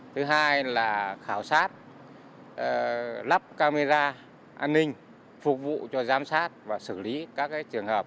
thứ hai là khảo sát lắp camera an ninh phục vụ cho giám sát và xử lý các trường hợp